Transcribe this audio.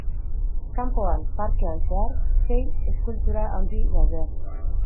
Kanpoan, parkean zehar, sei eskultura handi daude.